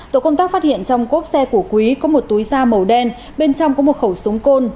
tổ công tác phát hiện trong cốp xe của quý có một túi da màu đen bên trong có một khẩu súng côn